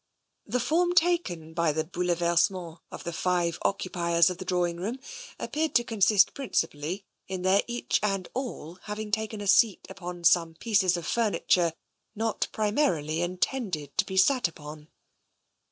The form taken by the bouleikrsement of the five occupiers of the drawing room appeared to consist principally in their each and all having taken a seat upon some pieces of furniture not primarily intended to be sat upon.